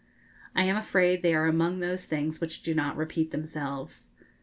I am afraid they are among those things which do not repeat themselves.